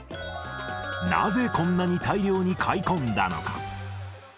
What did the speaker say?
なぜこんなに大量に買い込んだのか。